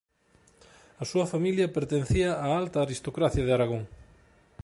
A súa familia pertencía á alta aristocracia de Aragón.